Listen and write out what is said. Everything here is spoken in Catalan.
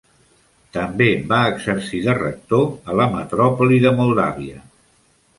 També va exercir de rector a la metròpoli de Moldavia.